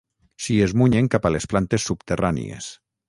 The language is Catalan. S'hi esmunyen cap a les plantes subterrànies.